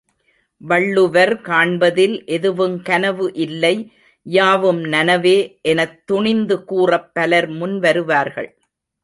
வள்ளுவர் காண்பதில் எதுவுங் கனவு இல்லை யாவும் நனவே எனத்துணிந்து கூறப் பலர் முன் வருவார்கள்.